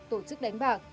tổ chức đánh bạc